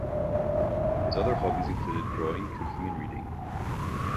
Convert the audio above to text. His other hobbies include drawing, cooking and reading.